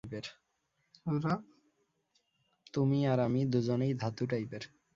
তুমি আর আমি দুজনেই ধাতু-টাইপের।